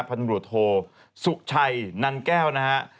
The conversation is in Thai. พันธบรวจโทสุชัยนันแก้วนะฮะ